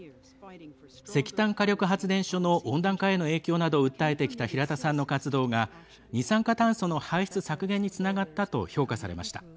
石炭火力発電所の温暖化への影響などを訴えてきた平田さんの活動が二酸化炭素の排出削減につながったと評価されました。